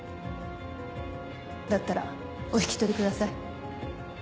だったらお引き取りください。